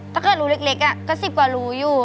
ถ้าเกิดรูเล็กก็๑๐กว่ารูอยู่